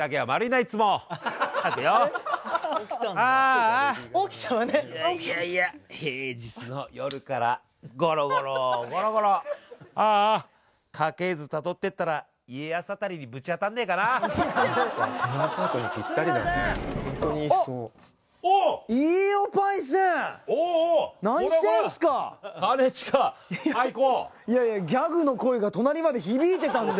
いやいやギャグの声が隣まで響いてたんで。